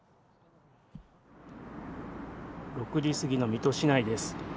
６時過ぎの水戸市内です。